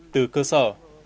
từ cơ sở